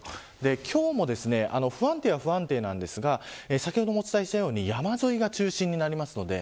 今日も不安定ですが先ほどもお伝えしましたように山沿いが中心になります。